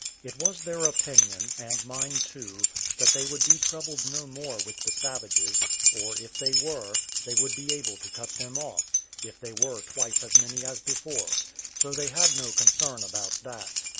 It was their opinion, and mine too, that they would be troubled no more with the savages, or if they were, they would be able to cut them off, if they were twice as many as before; so they had no concern about that.